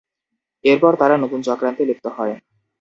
এরপর তারা নতুন চক্রান্তে লিপ্ত হয়।